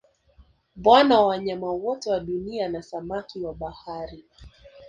Bwana wa Wanyama wote wa Dunia na samaki wa Bahari